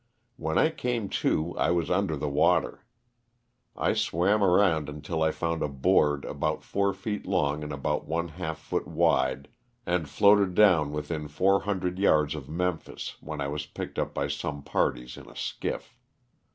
When I came to I was under the water. I swam around until I found a board about four feet long and about one half foot wide, and floated down within four hundred yards of Memphis when I was picked up by some parties in a skiff.